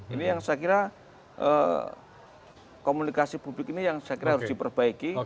ini yang saya kira komunikasi publik ini yang saya kira harus diperbaiki